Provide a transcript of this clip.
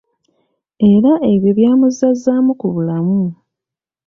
Era ebyo byamuzzazzaamu ku bulamu.